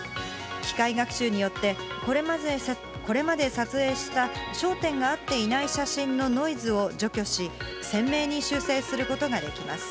機械学習によって、これまで撮影した焦点が合っていない写真のノイズを除去し、鮮明に修整することができます。